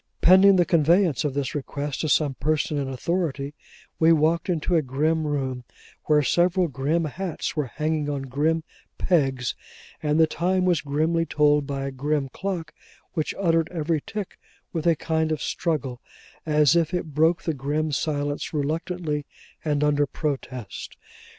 Pending the conveyance of this request to some person in authority, we walked into a grim room, where several grim hats were hanging on grim pegs, and the time was grimly told by a grim clock which uttered every tick with a kind of struggle, as if it broke the grim silence reluctantly, and under protest.